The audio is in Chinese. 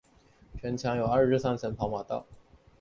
城墙有二至三层的跑马道。